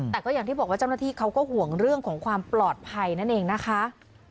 แต่ก็อย่างที่บอกว่าเจ้าหน้าที่เขาก็ห่วงเรื่องของความปลอดภัยนั่นเองนะคะ